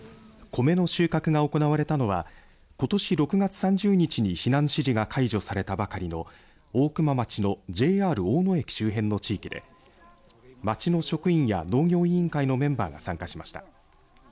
コメの収穫が行われたのはことし６月３０日に避難指示が解除されたばかりの大熊町のＪＲ大野駅周辺の地域で町の職員や農業委員会のメンバーが参加しました。